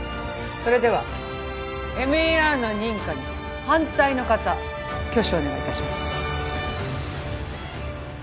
それではＭＥＲの認可に反対の方挙手をお願いいたします